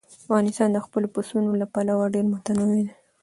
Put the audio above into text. افغانستان د خپلو پسونو له پلوه ډېر متنوع دی.